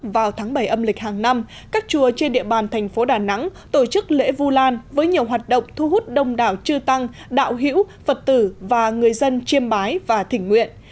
vào tháng bảy âm lịch hàng năm các chùa trên địa bàn thành phố đà nẵng tổ chức lễ vu lan với nhiều hoạt động thu hút đông đảo trư tăng đạo hữu phật tử và người dân chiêm bái và thỉnh nguyện